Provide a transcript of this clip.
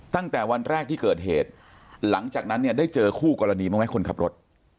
ตั้งแต่วันแรกที่เกิดเหตุหลังจากนั้นเนี่ยได้เจอคู่กรณีบ้างไหมคนขับรถ